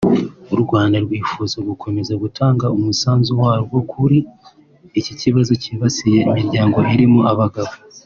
u Rwanda rwifuza gukomeza gutanga umusanzu warwo kuri iki kibazo kibasiye imiryango irimo abagabo